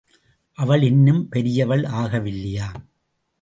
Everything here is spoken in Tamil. அவள் இன்னும் பெரியவள் ஆகவில்லையாம்.